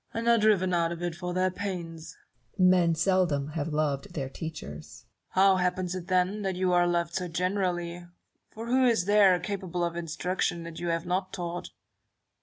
Newton. And are driven out of it for their pains. Barrow. Men seldom have loved their teachers. Newton. How happens it, then, that you are loved so generally ; for who is there, capable of instruction, that you have not taught